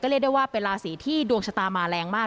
เรียกได้ว่าเป็นราศีที่ดวงชะตามาแรงมาก